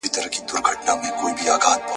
خاوري کېږې دا منمه خو د روح مطلب بل څه دی !.